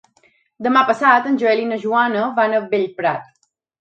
Demà passat en Joel i na Joana van a Bellprat.